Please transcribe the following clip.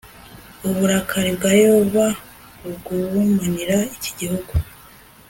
uburakari bwa Yehova bugurumanira iki gihugu